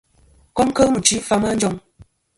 Kom kel mɨ̀nchi fama a njoŋ.